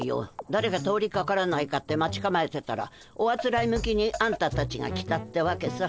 だれか通りかからないかって待ちかまえてたらおあつらえ向きにあんたたちが来たってわけさ。